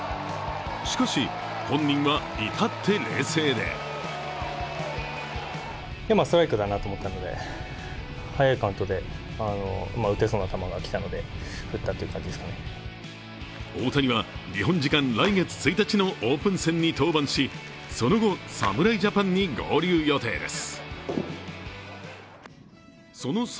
しかし、本人は至って冷静で大谷は日本時間来月１日のオープン戦に登板しその後、侍ジャパンに合流予定ですその侍